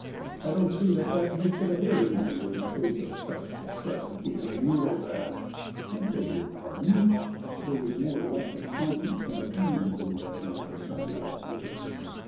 "I don't see that that makes it a hair easier, in the face of such a set of gaping noodles as " "I beg your pardon: there is more lack of conscience than of brains in the Abbey of a Sunday, I fear."